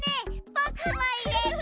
ぼくもいれて！